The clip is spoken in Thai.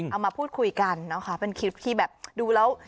เอามาพูดคุยกันนะคะเป็นคลิปที่แบบดูแล้ว